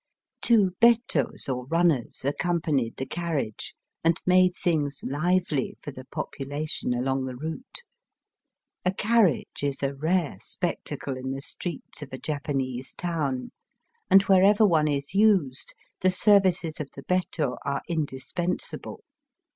Two bettos, or runners, accompanied the carriage, and made things lively for the Digitized by VjOOQIC 206 EAST BT WEST. population along the ronte. A carriage is a rare spectacle in the streets of a Japanese town, and wherever one is used the services of the betto are indispensable.